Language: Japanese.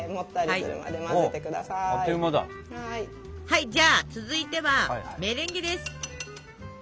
はいじゃあ続いてはメレンゲです。